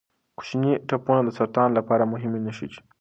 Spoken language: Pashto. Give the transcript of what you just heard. کوچني ټپونه د سرطان لپاره مهم نښې دي.